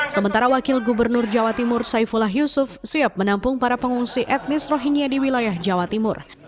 sementara wakil gubernur jawa timur saifullah yusuf siap menampung para pengungsi etnis rohingya di wilayah jawa timur